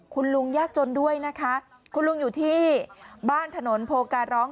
คุณลุงศักดิ์ศรียากจนด้วยนะคะคุณลุงศักดิ์ศรีอยู่ที่บ้านถนนโพการ้อง